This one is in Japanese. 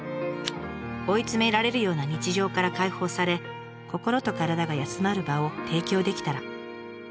追い詰められるような日常から解放され心と体が休まる場を提供できたら。